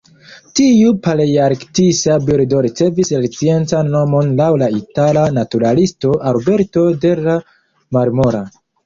Tiu palearktisa birdo ricevis la sciencan nomon laŭ la itala naturalisto Alberto della Marmora.